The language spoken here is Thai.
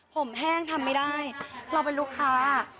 ผมแห้งทำไม่ได้เราเป็นลูกค้า